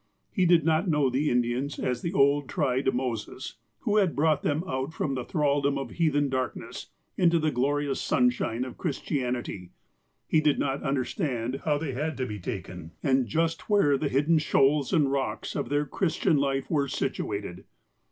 He did not know the Indians as the old tried Moses, who had brought them out from the thraldom of heathen darkness, into the glorious sunshine of Christianity. He did not understand how they had to be taken, and just where the hidden shoals and rocks of their Christian life were situated.